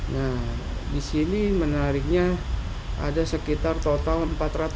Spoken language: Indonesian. nah di sini menariknya ada sekitar total empat ratus tiga puluh sembilan data